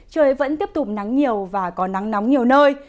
trời vẫn tiếp tục nắng nhiều và có nắng nóng nhiều nơi